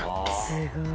すごい。